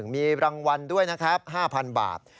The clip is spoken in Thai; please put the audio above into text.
๐๖๒๘๘๙๒๙๕๑มีรางวัลด้วยนะครับ๕๐๐๐บาท